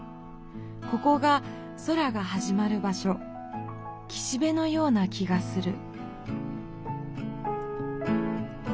ここが空がはじまる場しょ岸べのような気がする。